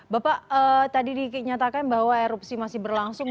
bapak tadi dinyatakan bahwa erupsi masih berlangsung